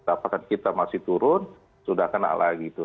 apakah kita masih turun sudah kena lagi itu